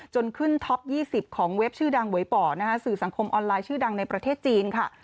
จนขึ้นท็อป๒๐ของเว็บชื่อดังหวยป่อนะคะสื่อสังคมออนไลน์ชื่อดังในประเทศจีนค่ะ